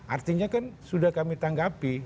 artinya kan sudah kami tanggapi